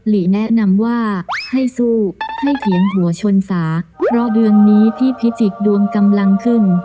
ลีแนะนำว่าให้สู้ให้เถียงหัวชนฝาเพราะเดือนนี้พี่พิจิกษ์ดวงกำลังขึ้น